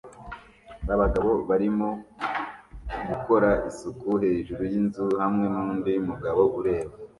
abagabo barimo gukora isuku hejuru yinzu hamwe nundi mugabo ureba